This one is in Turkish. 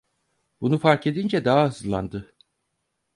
Bunu fark edince daha hızlandı.